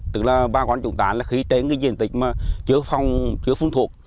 tức là ba con chúng ta khí trến cái diện tịch mà chứa phong chứa phun thuộc